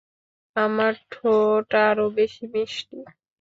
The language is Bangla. আমার ঠোঁট আরও বেশি মিষ্টি।